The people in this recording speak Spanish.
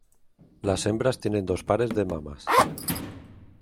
Las hembras tienen dos pares de mamas.